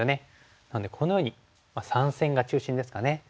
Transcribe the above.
なのでこのように３線が中心ですかね。